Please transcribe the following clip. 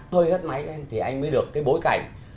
hơi gắt máy lên thì anh mới được cái bối cảnh